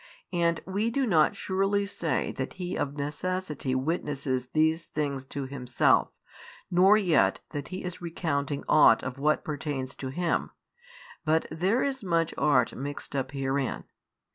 And we do not surely say that He of necessity witnesses these things to Himself nor yet that He is recounting ought of what pertains to Him, but there is much art mixed up herein.